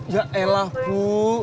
ya elah bu